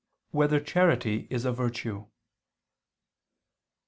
3] Whether Charity Is a Virtue?